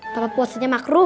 papa puasanya makruh